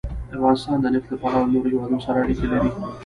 افغانستان د نفت له پلوه له نورو هېوادونو سره اړیکې لري.